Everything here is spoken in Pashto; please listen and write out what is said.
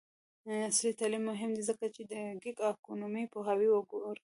عصري تعلیم مهم دی ځکه چې د ګیګ اکونومي پوهاوی ورکوي.